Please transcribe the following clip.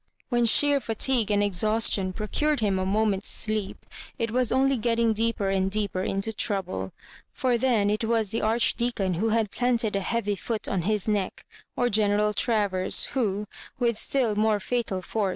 When sheer fatigue and exhaustion procured him a moment's sleep, it was only g^etting deeper and deeper into trouble ; for then it was theArchdea oon who bad planted a heavy foot on his neck, or General Travers, who, with still more fatal fQr